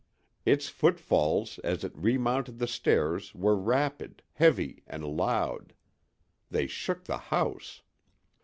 Its footfalls as it remounted the stairs were rapid, heavy and loud; they shook the house.